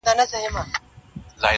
يو يې خوب يو يې خوراك يو يې آرام وو؛